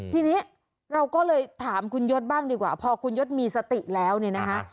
ทีนี้เราก็เลยถามคุณยศบ้างดีกว่าพอคุณยศมีสติแล้วเนี่ยนะคะ